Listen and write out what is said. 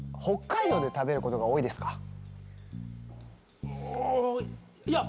北海道で食べること多いですか？